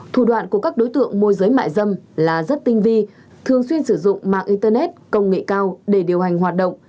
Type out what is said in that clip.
thủ đoạn của các đối tượng môi giới mại dâm là rất tinh vi thường xuyên sử dụng mạng internet công nghệ cao để điều hành hoạt động